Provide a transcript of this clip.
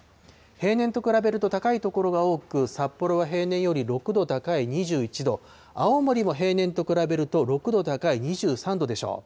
平年と比べると高い所が多く、札幌は平年より６度高い２１度、青森も平年と比べると６度高い２３度でしょう。